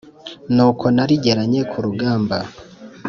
Ni uko narigeranye ku rugamba